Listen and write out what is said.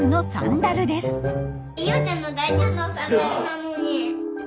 依織ちゃんの大事なサンダルなのに。